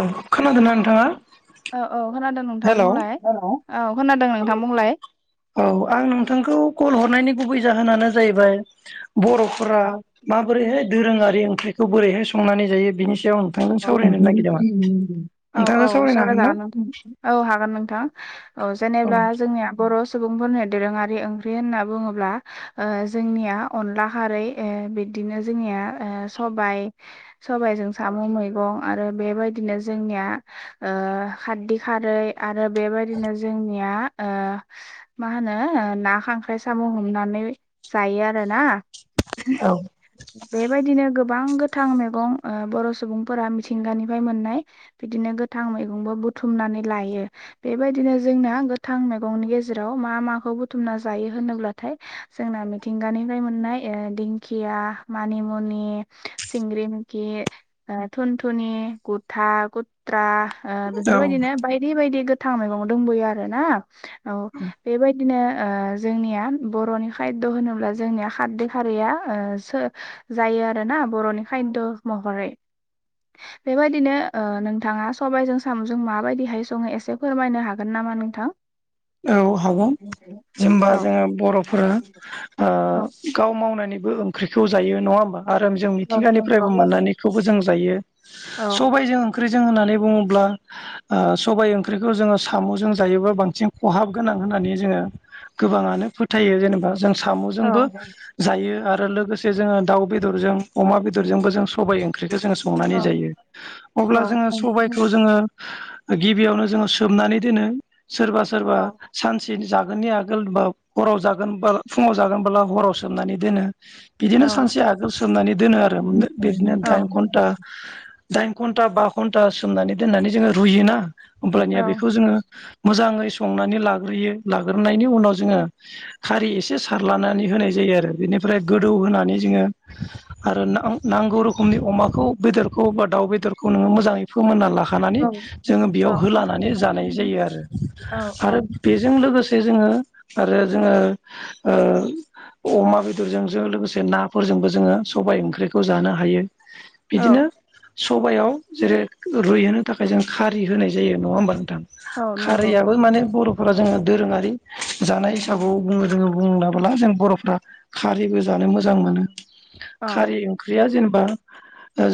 औ खोनादोंना नोंथाङा? औ औ खोनादों नोंथां हेलौ बुंलाय औ खोनादों नोंथां बुंलाय औ आं नोंथांखौ कल हर गुबै जाहोनानो जाहैबाय बर' फोरा औ माबोरैहाय दोरोङारि ओंख्रिखौ बोरैहाय संनानै जायो बिनि सायाव आं नोंथांजों सावरायनो नागिरदोंमोन। [unintelligible] औ नोंथाङा औ सावरायनो सावना हागोन ना? जागोन नोंथां औ हागोन नोंथां औ जेनेबा जोंनिया बर' सुबुं सुबुंफोरनो दोरोङारि ओंख्रि होनना बुङोब्ला ओ जोंनिया अनला खारै बिदिनो जोंनिया ओ सबाय सबायजों साम' मै गं आरो बेबायदिनो जोंनिया ओ खारदै खारै आरो बेबायदिनो जोंनिया ओ मा होनो ओ ना खांख्राइ साम' हमनानै जायो आरोना औ बेबायदिनो गोबां गोथां मैगं बर' सुबुं फोरा मिथिंगानिफ्राय मोननाय बिदिनो गोथां मै बुथुमनानै ल बेबायदिनो जोंना गोथां मैगंनि गेजेराव मा माखौ बुथुमना जायो होनोब्लाथाय जोंना मिथिंगानि मोननाय दिंखिया मानिमुनि सिंग्रि मैखि थुनथुनि गुथा गुथ्रा औ बेफोरबायदिनो बायदि बायदि थां मैगं दंबोयो आरो ना औ बेबायदिनो ओ जोंनिया बर'नि खाय्द' होनोब्ला जोंनिया खारदै खारैया जायो आरो ना बर'नि खाय्द' महरै [inaudible] बेबायदिनो ओ नोंथाङा सबायजों साम'जों माबायदिहाय सङो एसे फोरमायनो हागोन नामा नोंथाङ थां औ हागोन। जेनबा औ जोंङो बर'फोरा ओ औ गाव मावनायनि बे ओंख्रिखौ जायो नंङा होनोमबा आरो जों औ मिथिंगानिफ्रायबो मोननानैखौबो जों जायो औ सबाय जों ओंख्रि होननानै बुङोब्ला सबाय ओ ओंख्रिखौ जोंङो साम' जों जायो बांसिन खहाब गोनां होननानै जोंङो गोबाङानो फोथायो जेनेबा। जों औ साम'जोंबो जायो आरो आरो लोगोसे जोंङो दाउ बेदरजों अमा बेदरजोंबो जों सबबाय ओंख्रि जो संनानै औ जायो अब्ला औ जोंङो औ सबायखौ जोंङो गिबियावनो जोंङो सोमनानै दोनो सोरबा सोरबा सानसे जागोननि आगोल होनबा हराव जागोन फुङाव जागोनबोला हराव सोमनानै दोनो। बिदिनो सानसे आगोल सोमनानै दोनो आरो बिदिनो दाइन घन्टा दाइन घन्टा बा घन्टा सोमनानै दोननानै जोंङो रुयोना। होमब्लानिया बेखौ जोङो मोजाङै संनानै लाग्रोयो लाग्रोनायनि उनाव जोंङो खारै एसे सारलानानै होनाय जायो आरो बेनि ओमफ्राय गोदौ होनानै जोंङो आरो नांगौ रोखोमनि अमाखौ बेदरखौ बा दाउ बेदर बेदरखौ नोंङो मोजाङै फोमोनना ला खानानै जोंङो बेयाव होलानानै जानाय जायो आरो औ आरो बेजों लोगोसे जोंङो आरो जोंङो ओ अमा बेदरजों जों लोगोसे नाफोरजोंबो जोंङो सबाय ओंख्रिखौ जानो हायो। औ बिदिनो सबायाव जेरै रुइहोनो थाखाय जों खारि होनाय जायो नंङा होमबा नोंथां। औ [unintelligible] नंगौ माने बर' जोंङो दोरोङारि जानाय हिसाबै बुङो जोंङो बुंबोला जों बर'फ्रा खारै गोजा मोजां मोनो औ खारै ओंख्रिया जेन बा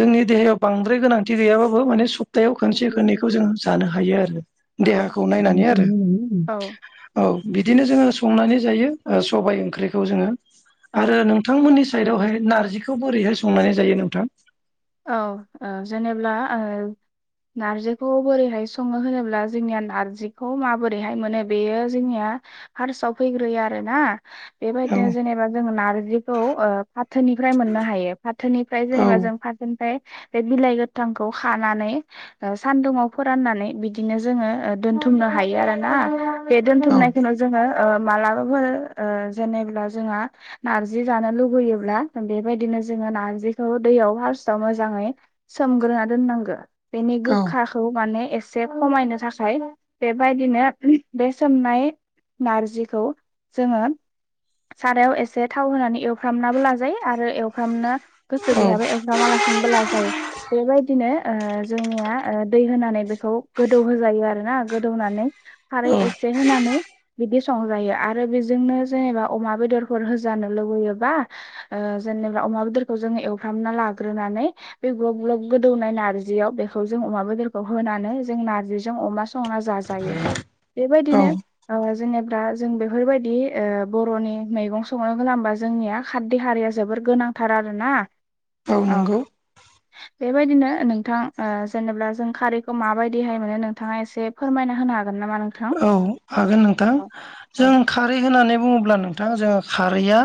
जोंनि देहायाव बांद्राय गोनांथि गैयाबाबो माने सप्तायाव औ खनसे खनैखौ जोंङो जानो हायो आरो औ देहाखौ नायनानै आरो औ औ बिदिनो जोंङो संनानै जायो सबाय ओंख्रिखौ जोंङो औ आरो नोंथांमोननि साइदआवहाय नारजिखौ बोरैहाय संनानै जायो नोंथां? औ औ जेनेब्ला ओ नार्जिखौ बोरैहाय संङो होनोब्ला जोंनिया नारजिखौ माबोरैहाय मोनो बेयो जोंनिया हारसआव फैग्रोयो आरो ना औ बेबायदिनो जेनेबा जों नारजिखौ ओ फाथोनिफ्राय मोननो हायो। फाथोनिफ्राय औ जेनेबा जों फाथ बे बिलाइ गोथांखौ खानानै सानदुुंआव फोराननानै बिदिनो जोंङो दोन्थुमनो हायो आरो ना बे औ दोन्थुमनायखौनो जोंङो मालाबाफोर ओ जेनेब्ला जोंहा नारजि जानो लुबैयोब्ला बेबायदिनो जों नारजिखौ दैयावहा मोजै सोमग्रोना दोनांगो बेनि औ गोखाखौ माने एसे खमायनो थाखाय बेबायदिनो बे सोमनाय नारजिखौ जोंङो सारायाव एसे थाव होनानै एवफ्रामनाबो लाजायो आरो एवफ्रामनो गोसो औ गैयाबा एवग्रामालासिनोबोला जायो बेबायदि बिदिनो ओ जोंनि दै होनानै बेखौ गोदौ होजायो आरोना गोदौनानै औ एसे होनानै बिदि संजायो आरो बेजोंनो जेनेबा अमा बेदरफोर होजानो लुबैयो बाद जेनेबा अमा बेदरखौ एवफ्रामना लाग्रो दै ग्लब ग्लब गोदौनाय नारजियाव बेखौ जों अमा बेदरखौ होनानै जों नारजिजों अमा अमा संना जाजायो औ बेबायदिनो ओ जेनेबा जों बेफोरबायदि बर'नि मैगं संनो गबा जोंनिया खार देहारिया जोबोर गोनांथार आरोना औ नंगौ बेबायदिनो नोंथां जेनेबा जों खारिैखौ माबायदिहाय मोनो नोंथाङा एसे फोरमायना होनो हागोन नामा नोंथां? औ हागोन नोंथां औ जों औ खारै होननानै बुङोब्ला नोंथां जोङो खारैया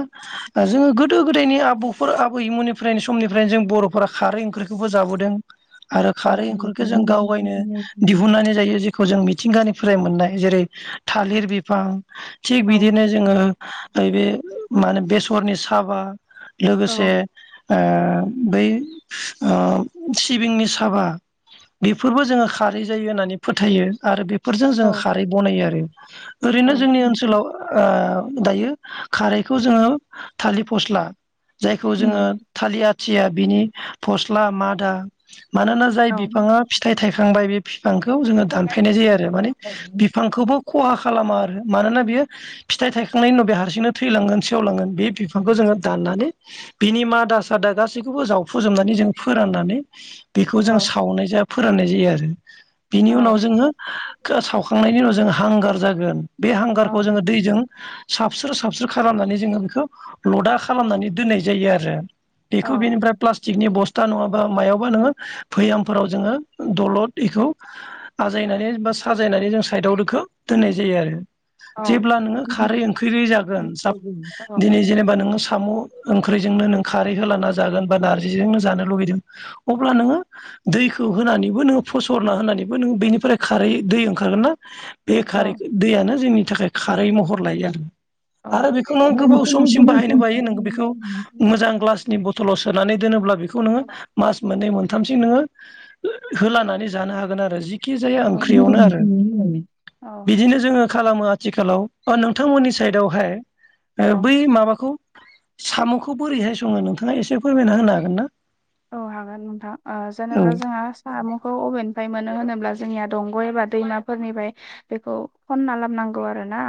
जोङो गोदो गोदायनि आबौफोर आबैमोननिफ्राय समनिफ्रायनो जों बर' फोरा खारै ओंख्रिखौबो जाबोदों आरो औ खारै एंखुरखौ जों गाव गावनो दावबायनो दिहुननानै जायो जेखौ जों मिथिंगानि मोननाय जेरै थालिर बिफां थिग बिदिनो जोङो नैबे माने बेसरनि साबा औ लोगोसे ओं बै। सिबिंनि साबा बेफोरबो जोङो खारै जायो होननानै फोथायो आरो बे। बेफोरजों जोङो औ खारै बनायो आरो ओरैनो औ जोंनि ओनसोलाव। दायो खारैखौ जोङो थालिर फस्ला। जायखौ जोङो थालिर आथिया बिनि फस्ला मादा। मानोना जाय बिफाङा फिथाइ थायखांबाय बे बिफांखौ जोङो दानफायनाय जायो आरो। बिफांखौबो। खहा खालामा आरो मानोना बियो फिथाइ थायखांनायनि उनाव हारसिंनो थैलांगोन सेवलांगोन बे बिफांखौ जों दाननानै बिनि मादा सादा गासैखौबो जावखुजोबनानै जों फोराननानै बेखौ जों सावनाय जायो फोराननाय जायो आरो बिनि उनाव जोङो। सावखांनायनि उनाव जों हांगार जागोन बे हांगारखौ जोङो दैजों साबस्रो साबस्रो खालामनानै जोङो बेखौ लदा खालामनानै दोननाय जायो आरो। बेखौ बेनिफ्राय प्लास्टिकनि बस्था नङाबा मायावबा नोङो बयामफोराव जोङो दलद बेखौ आजायनानै बा साजायनानै जों साइदआव दोखौ दोननाय जायो आरो। जेब्ला नोङो खारै ओंख्रि जागोन दिनै जेनेबा नोङो। साम' ओंख्रिजोंनो नों खारै होलाना जागोन बा नार्जिजोंनो जानो लुुगैदों अब्ला नोङो। दैखौ होनानैबो नोङो फसरना होनानैबो नों बेनिफ्राय खारै दै ओंखारगोनना बे खारै दैयानो जोंनि थाखाय खारै महर लायो आरो। आरो बेखौ नों ओमफ्राय गोबाव बेखौनो समसिम गोबाव बाहायनो हायो नों बेखौ सम मोजां ग्लास बथलाव सोनानै दोनोब्ला बिखौ नोङो औ मास मोननै मोन मोनथामसिम नोङो होलानानै जानो हागोन जिखि जाया। औ फख्रियावनो आरो औ बिदिनो जोङो। खालामो आथिखालाव नोंथांमोननि साइदावहाय औ बै माबाखौ साम'खौ बोरैहाय सङो नोंथाङा एसे फोरमायना होनो हागोनना? औ हागोन नोंथां जेनेबा जोंहा साम'खौ अबे बबेनिफ्रय मोनो होनोब्ला जोंनिया दंग' एबा दैमाफोरनिफ्राय बेखौ खनना लाबोनांगौ आरोना।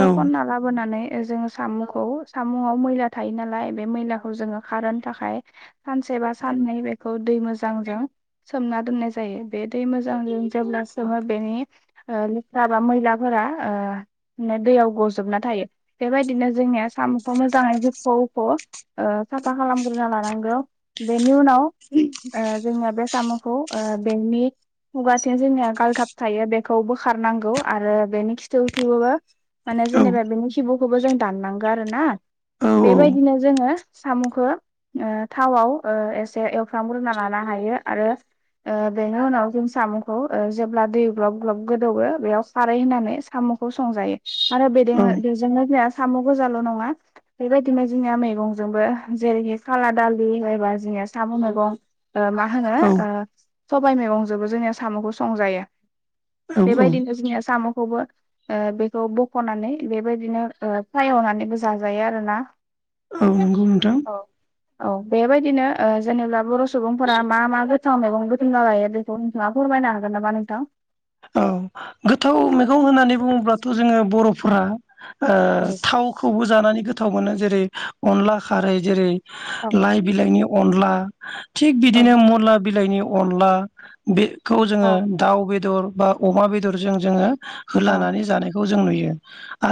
औ खनना लाबोनानै जोङो साम'खौ सामुआव मैला थायो नालाय बे मैलाखौ जोङो खारहोनो थाखाय सानसे सानसेबा साननै बेखौ दै मोजांजों सोमना दोननाय जायो बे दै मोजांजों जेब्ला सो बेनि लेथ्राबा मैलाफोरा दैयाव गजोबना थायो। बेबायदिनो जोंनिया साम'खौ मोजाङै हुख हुख साफा खालामग्रोना लानांगौ। बेनि उनाव जोंनिया बे साम'खौ बेनि खुगाथिं जोंनिया गालथाब थायो बेखौ बोखारनांगौ आरो बेनि खिथुखैबो। माने औ जेनेबा बेनि खिबुखौबो जों दाननांगौ आरोना। औ बेबायदिनो जोङो साम'खौ थावआव एसे एवफ्रारामग्रोना लानो हायो आरो। बेनि उनाव जों साम'खौ जेब्ला दै ग्लब ग्लब गोदौवो बेयाव खारै होनानै साम' संजायो आरो औ बेजोंनो साम' गोजाल' नङा बेबायदिनो जोंनिया मैगंजोंबो जेरैहाय खाला दालि एबा जोंनिया साम' मैगं मा होनो औ सबाइ मैगंजोंबो जोंनिया साम'खौ संजायो औ बेबायदिनो जोंनिया साम'खौबो बेखौ बख'नानै बेबायदिनो फ्राय एवनानैबो जाजायो आरोना। औ नंगौ नोंथां। औ औ बेबायदिनो। जेनेबा बर' सुबुंफोरा मा मा गोथाव मैगं बुथुमना लायो बेखौ नोंथाङा फोरमायनो हागोन नामा नोंथां। औ गोथाव मैगं होननानै बुङोब्लाथ' जोङो बर'फोरा। औ थावखौबो जानानै गोथाव मोनो जेरै अनला खारै जेरै औ लाइ बिलाइनि अनला थिक औ बिदिनो मुला बिलाइनि। अनला बेखौ जोङो औ दाउ बेदर बा अमा बेदरजों जोङो औ होलानानै जानायखौ जों नुयो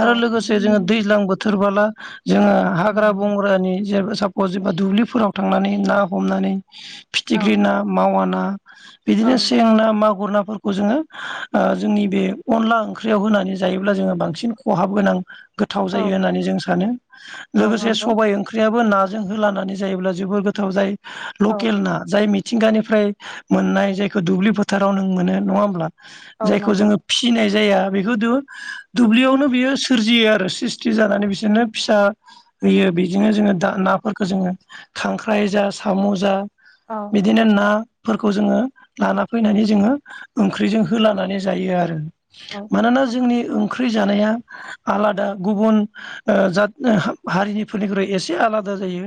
औ लोगोसे जोङो दैज्लां बोथोरबोला जोङो हाग्रा बंग्रानि जे साब अजेबा दुब्लिफोराव थांनानै ना हमनानै औ फिथिख्रि ना मावा ना बिदिनो सें ना मागुर नाफोरखौ जोङो ओ जोंनि बे अनला ओंख्रियाव होनानै जायोब्ला जोङो बांसिन खहाब गोनां गोथाव जायो औ होननानै जों सानो औ लोगोसे नंगौ सबाइ ओंख्रियाबो ना जों होलखनानै जायोब्ला जोबोद गोथाव जायो औ लकेल ना जाय मि मिथिंगानिफ्राय मोननाय जायखौ दुब्लि फोथाराव नों मोनो नङा होमब्ला औ जायखौ नंगौ जोङो फिसिनाय जाया बेखौ दुब्लियावनो बियो सोरजियो आरो स्रिस्टि जानानै बिसोरनो फिसा होयो बेजोंनो जोङो दा नाफोरखौ जोङो खांख्राइ जा साम' जा औ बिदिनो नाफोरखौ जोङो लाना फैनानै जोङो ओंख्रिजों होलानो नानै जायो आरो औ मानोना जोंनि ओंख्रि जानाया आलादा गुबुन ओ जा हारिनिफोरनिख्रुइ एसे आलादा जायो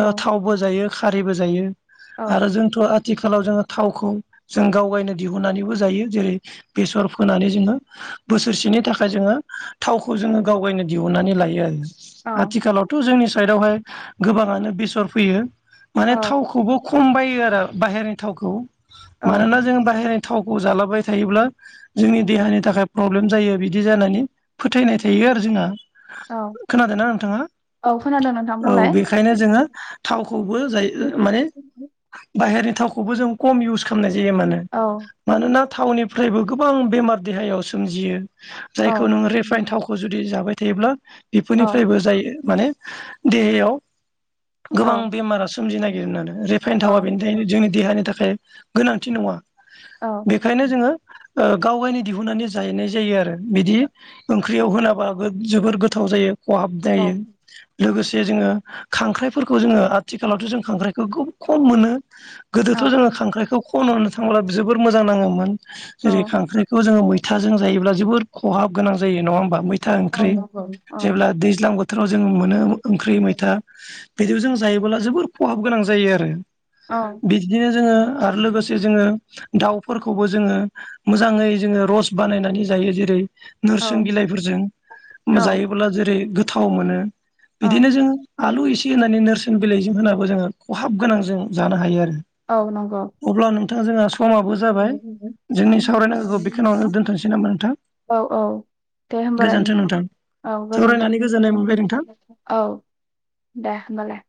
औ औ थावबो जायो खारैबो जायो औ आरो जोंथ' आथिखालाव जोङो थावखौ जों गावगायनो दिहुननानैबो जायो जेरै बेसर फोनानै जोङो बोसोरसेनि थाखाय जोङो थावखौ जोङो गावगायनो दिहुननानै ला लायो औ आथिखालावथ' जोंनि साइडआवहाय गोबाङानो बेसर फैयो माने थावखौबो खम बायो आरो बाहेरनिनि थावखौ औ मानोना जों बाहेरनि थावखौ जालाबाय थायोब्ला जोंनि देहानि थाखाय प्रब्लेम जायो बिदि जानानै फोथायनाय थायो आरो जोंहा खोनादोंना नोंथाङा औ खोनादों नोंथां औ बुंलाय बेखायनो जोङो थावखौबो औ जायो माने बाहेरनि थावखौबो जों खम इउस खालामनाय जायो मानो औ मानोना थावनिफ्रायबो गोबां बेमार देहायाव सोमजियो औ जायखौ नोङो रिफाइन थावखौ जुदि जाबाय थायोब्ला औ बेफोरनिफ्रायबो जायो माने देहायाव गोबां औ बेमारा सोमजिनो नागिर आरो रिफाइन थावा बेनि थाखायायनो जोंनि देहानि थाखाय गोनांथि नङा औ बेखायनो जोङो ओ गाव गावनि दिहुननानै जाहैनाय जायो आरो बिदि ओंख्रियाव होलाबाबो जोबोर गोथाव जायो खहाब जायो औ लोगोसे जे जोङो खांख्राइफोरखौ जोङो आथिखालावथ' जों खांख्राइखौ खोब खम मोनो गोदोथ' जोङो खांख्राइखौ खन होनो थांब्ला जोबोर मोजां नाङोमोन जेरै खांख्राइखौ जोङो मैथाजों जायोब्ला जोबोद खहाब गोनां जायो नङा होमबा मै मैथा औ ओंख्रि नंगौ औ जेब्ला दैज्लां बोथोराव जों मोनो ओंख्रि मैथा थाइजौ जों जायोबोब्ला जोबोर खहाब गोनां जायो आरो औ बिदिनो जोङो आरो लोगोसे जोङो दाउ फोर खौबो जोङो मोजाङै जोङो रस बानायनानै जायो जेरै औ नोरसं बिलाइफोरजों औ जायोब्ला जेरै गोथाव मोनो औ बिदिनो जों आलु एसे एसे होनानै नोरसोन बिलाइजों होनाबो जोङो खहाब गोनां जों जानो हायो आरो औ नंगौ दा जोंहा समाबो जाबाय जोंनि सावरायनांगौखौ बेखिनियावनो दोन्थ'सै नामा नोंथां औ औ दे होमबालाय नोंथां औ गोजोनथों सावरायनानै गोजोननाय मोनबाय नोंथां। औ दे होमबालाय